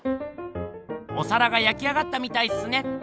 おさらがやきあがったみたいっすね！